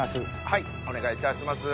はいお願いいたします。